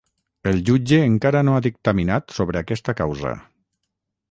El jutge encara no ha dictaminat sobre aquesta causa.